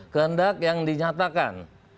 kehendak yang dinyatakan